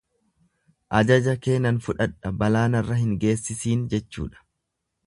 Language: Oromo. Ajaja kee nan fudhadhaa balaa narra hin geessisiin jechuudha.